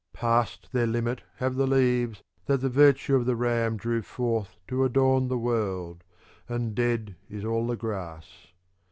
° Passed their limit have the leaves that the virtue of the Ram drew forth to adorn the world, and dead is all the grass.